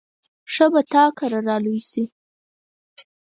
ښه به تا کره را لوی شي.